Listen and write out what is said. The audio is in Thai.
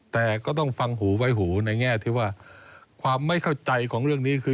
แต่ก็ต้องฟังหูไว้หูในแง่ที่ว่าความไม่เข้าใจของเรื่องนี้คือ